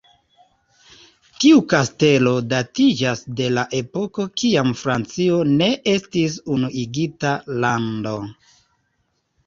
Tiu kastelo datiĝas de la epoko kiam Francio ne estis unuigita lando.